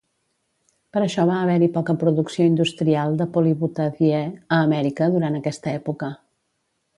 Per això va haver-hi poca producció industrial de polibutadiè a Amèrica durant aquesta època